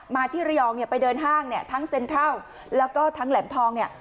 ที่ระยองเนี่ยไปเดินห้างเนี่ยทั้งเซ็นทรัลแล้วก็ทั้งแหลมทองเนี่ย